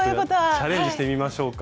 チャレンジしてみましょうか。